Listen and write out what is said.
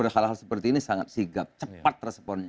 hal hal seperti ini sangat sigap cepat responnya